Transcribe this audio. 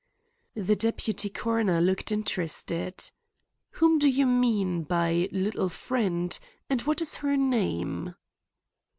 The deputy coroner looked interested. "Whom do you mean by 'little friend' and what is her name?"